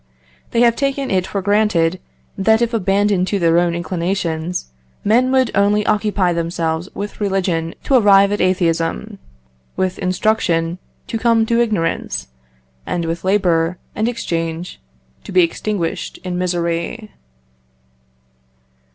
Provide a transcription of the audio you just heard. They have taken it for granted, that if abandoned to their own inclinations, men would only occupy themselves with religion to arrive at atheism, with instruction to come to ignorance, and with labour and exchange to be extinguished in misery.